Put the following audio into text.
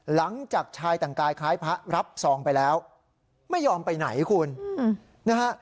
หลังจากชายแต่งกายคล้ายพระรับซองไปแล้วไม่ยอมไปไหนคุณนะฮะ